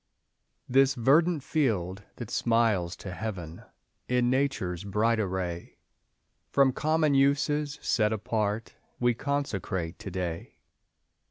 This verdant field that smiles to Heaven In Nature's bright array, From common uses set apart, We consecrate to day.